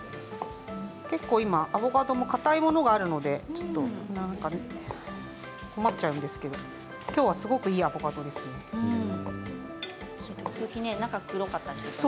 結構、今アボカドもかたいものがあるので困っちゃうんですけどきょうはすごくいいアボカドですね。